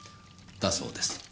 だそうです。